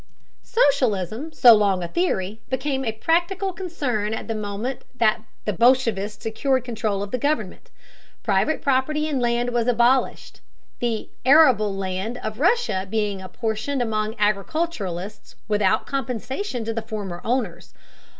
Socialism, so long a theory, became a practical concern at the moment that the bolshevists secured control of the government. Private property in land was abolished, the arable land of Russia being apportioned among agriculturists without compensation to the former owners.